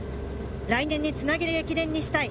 来年に繋げる駅伝にしたい。